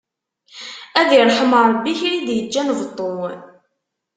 Ad iṛḥem Ṛebbi kra i d-iǧǧan beṭṭu!